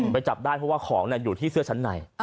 ไปจับได้เพราะว่าของอยู่ที่เสื้อชั้นใน